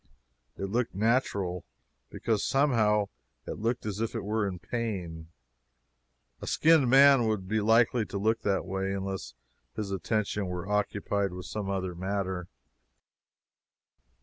It looked natural, because somehow it looked as if it were in pain. A skinned man would be likely to look that way unless his attention were occupied with some other matter.